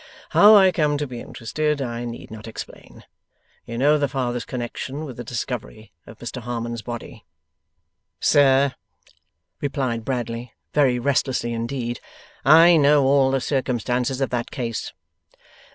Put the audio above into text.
How I come to be interested, I need not explain. You know the father's connection with the discovery of Mr Harmon's body.' 'Sir,' replied Bradley, very restlessly indeed, 'I know all the circumstances of that case.